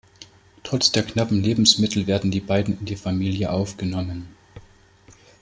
Trotz der knappen Lebensmittel werden die beiden in die Familie aufgenommen.